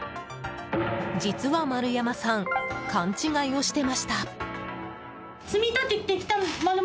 実は丸山さん勘違いをしていました。